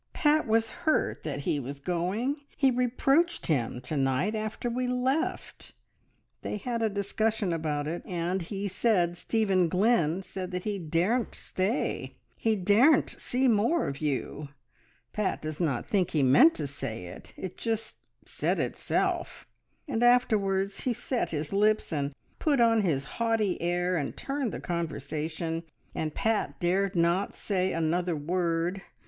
"Pat was hurt that he was going; he reproached him to night after we left; they had a discussion about it, and he said Stephen Glynn said that he daren't stay, he daren't see more of you. ... Pat does not think he meant to say it, it just said itself! And afterwards he set his lips, and put on his haughty air, and turned the conversation, and Pat dared not say another word.